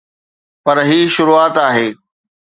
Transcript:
پر هي شروعات آهي.